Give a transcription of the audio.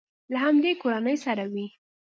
له همدې کورنۍ سره وي.